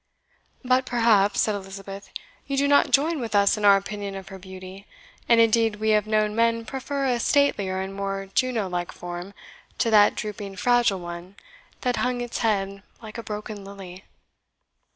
"But, perhaps," said Elizabeth, "you do not join with us in our opinion of her beauty; and indeed we have known men prefer a statelier and more Juno like form to that drooping fragile one that hung its head like a broken lily.